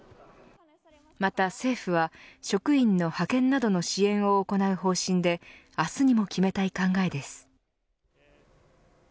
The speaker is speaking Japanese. また政府は職員の派遣などの支援を行う方針で明日にも決めたい考えです。